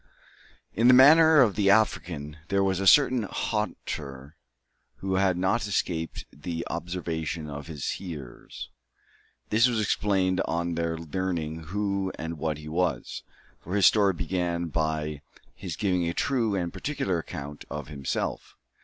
In the manner of the African there was a certain hauteur which had not escaped the observation of his hearers. This was explained on their learning who and what he was; for his story began by his giving a true and particular account of himself.